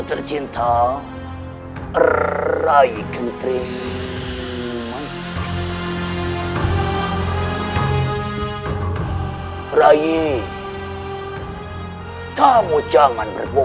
pertama yang siap biro